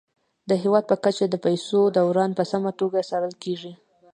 د هیواد په کچه د پيسو دوران په سمه توګه څارل کیږي.